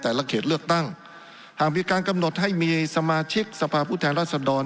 ในกำหนดสรรพผู้แทนราศน์ดอนประกอบด้วยสมาชิกจำนวน๕๐๐คน